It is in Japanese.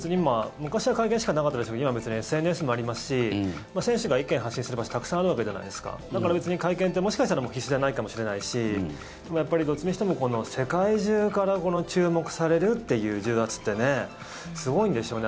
昔は会見しかなかったですが今は別にＳＮＳもありますし選手が意見を発信する場所はたくさんあるわけじゃないですかだから別に会見ってもしかしたらもう必須ではないかもしれないしどっちにしても世界中から注目されるっていう重圧ってねすごいんでしょうね。